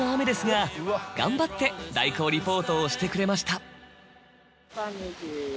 頑張って代行リポートをしてくれました。